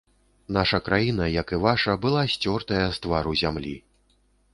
Наша краіна, як і ваша, была сцёртая з твару зямлі.